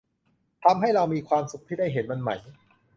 ทำให้เรามีความสุขที่ได้เห็นมันไหม